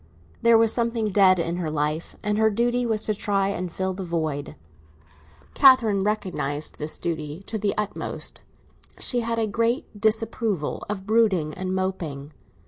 There was something dead in her life, and her duty was to try and fill the void. Catherine recognised this duty to the utmost; she had a great disapproval of brooding and moping.